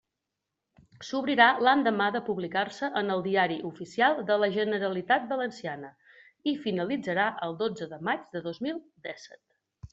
S'obrirà l'endemà de publicar-se en el Diari Oficial de la Generalitat Valenciana i finalitzarà el dotze de maig de dos mil dèsset.